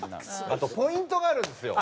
あとポイントがあるんですよ。